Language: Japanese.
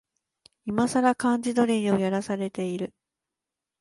いまさら漢字ドリルをやらされてる